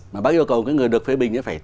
mà bác yêu cầu cái người được phê bình ấy phải